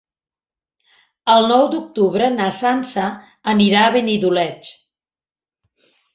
El nou d'octubre na Sança anirà a Benidoleig.